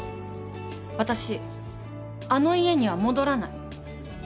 私あの家には戻らない。